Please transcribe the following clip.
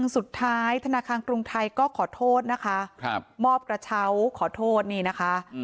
ธนาคารกรุงไทยก็ขอโทษนะคะมอบกระเช้าขอโทษนี่นะคะ